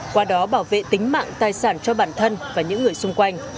qua đó bảo vệ tính mạng tài sản cho bản thân và những người xung quanh